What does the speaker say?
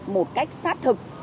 một cách sát thực